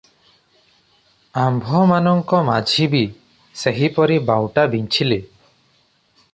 ଆମ୍ଭମାନଙ୍କ ମାଝି ବି ସେହିପରି ବାଉଟା ବିଞ୍ଚିଲେ ।